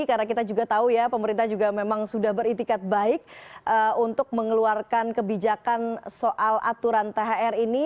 karena kita juga tahu ya pemerintah juga memang sudah beretikat baik untuk mengeluarkan kebijakan soal aturan thr ini